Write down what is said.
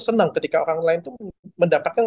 senang ketika orang lain itu mendapatkan